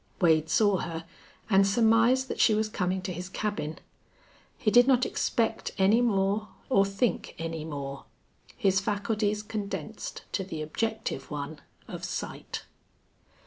Wade saw her and surmised that she was coming to his cabin. He did not expect any more or think any more. His faculties condensed to the objective one of sight.